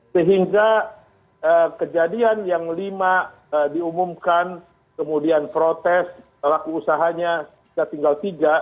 sehingga kejadian yang lima diumumkan kemudian protes pelaku usahanya tinggal tiga